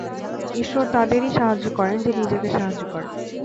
ঈশ্বর তাদেরই সাহায্য করেন যে নিজেকে সাহায্য করে।